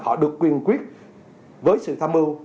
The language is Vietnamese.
họ được quyên quyết với sự tham mưu